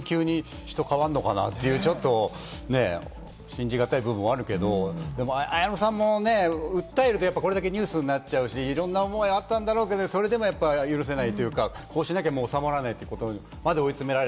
こんなに急に人が変わるのかなとちょっと信じがたい部分もあるけれども、綾野さんもね、訴えるとこれだけニュースになっちゃうし、いろんな思いあったんだろうけれども、それでも許せないというか、こうしなきゃ、もう収まらないと。